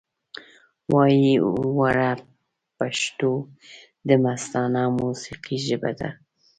وایې وره پښتو دمستانه موسیقۍ ژبه ده